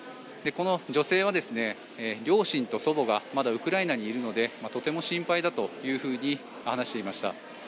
この女性は両親と祖母がまだウクライナにいるのでとても心配だと話していました。